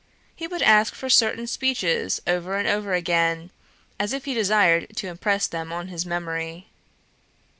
He would ask for certain speeches over and over again, as if he desired to impress them on his memory.